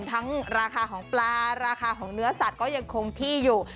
ทั้งราคาของปลาราคาของเนื้อสัตว์ก็ยังคงที่อยู่